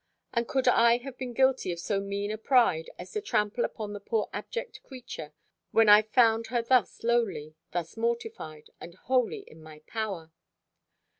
and could I have been guilty of so mean a pride, as to trample upon the poor abject creature, when I found her thus lowly, thus mortified, and wholly in my power?